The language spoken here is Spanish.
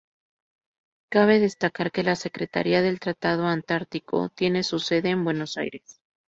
Cabe destacar que la Secretaría del Tratado Antártico tiene su sede en Buenos Aires.